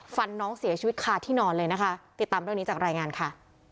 น้องเสียชีวิตคาที่นอนเลยนะคะติดตามเรื่องนี้จากรายงานค่ะ